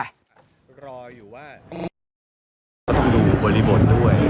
เดี๋ยวพี่เล่าทีเดียว